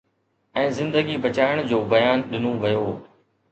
۽ زندگي بچائڻ جو بيان ڏنو ويو.